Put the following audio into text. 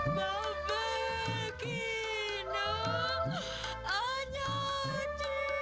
mau begini hanya cinta